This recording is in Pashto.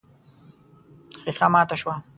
ښيښه ماته شوه.